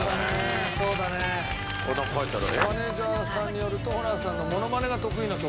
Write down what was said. マネージャーさんによるとホランさんのモノマネが得意な曲。